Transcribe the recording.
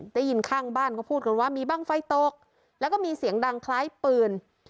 ได้ยินข้างบ้านเขาพูดกันว่ามีบ้างไฟตกแล้วก็มีเสียงดังคล้ายปืน